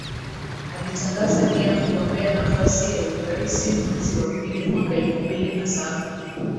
Alitangaza nia kugombea nafasi ya uraisi mwezi wa pili mwaka elfu mbili na saba